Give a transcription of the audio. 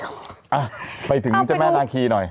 เอ้าไปถึงที่ที่แม่นางคีหน่อย